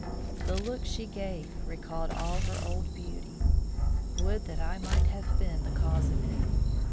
The look she gave recalled all her old beauty. Would that I might have been the cause of it!